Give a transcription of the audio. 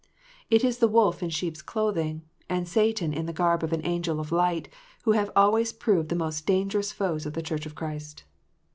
It is the wolf in sheep s clothing, and Satan in the garb of an angel of light, who have always proved the most dangerous foes of the Church of Christ.